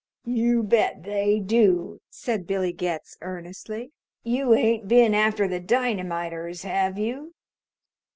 "You bet they do," said Billy Getz earnestly. "You ain't been after the dynamiters, have you?"